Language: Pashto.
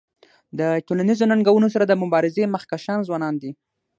د ټولنیزو ننګونو سره د مبارزی مخکښان ځوانان دي.